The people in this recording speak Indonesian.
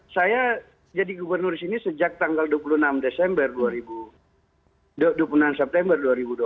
saya jadi gubernur sini sejak tanggal dua puluh enam september dua ribu dua puluh